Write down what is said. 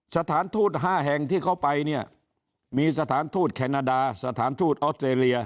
สถานทูต๕แห่งที่เขาไปเนี่ยมีสถานทูตแคนาดาสถานทูตออสเตรเลีย